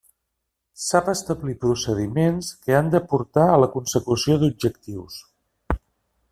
Sap establir procediments que han de portar a la consecució d'objectius.